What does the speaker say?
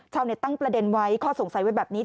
ตั้งประเด็นไว้ข้อสงสัยไว้แบบนี้